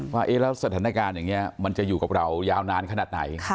ว่าแล้วสถานการณ์อย่างนี้มันจะอยู่กับเรายาวนานขนาดไหน